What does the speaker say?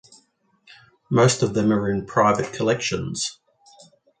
Most of them are in private collections.